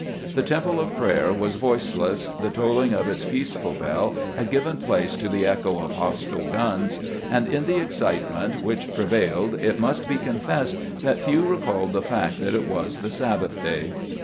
The temple of prayer was voiceless, the tolling of its peaceful bell had given place to the echo of hostile guns, and in the excitement which prevailed it must be confessed that few recalled the fact that it was the Sabbath day.